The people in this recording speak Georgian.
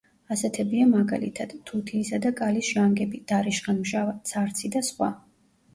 ასეთებია მაგალითად: თუთიისა და კალის ჟანგები, დარიშხან–მჟავა, ცარცი და სხვა.